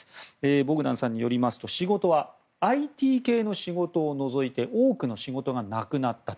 ボグダンさんによりますと仕事はＩＴ系の仕事を除いて、多くの仕事がなくなったと。